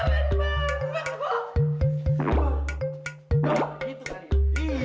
mami bisa juga nyipain